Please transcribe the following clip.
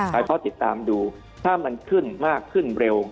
ไปเฝ้าติดตามดูถ้ามันขึ้นมากขึ้นเร็ว